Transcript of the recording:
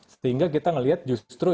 sehingga kita melihat justru